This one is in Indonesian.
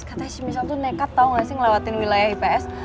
katanya semisal tuh nekat tau gak sih ngelewatin wilayah ips